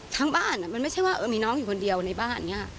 ทั้งบ้านมันไม่ใช่ว่ามีน้องอยู่คนเดียวในบ้านอย่างนี้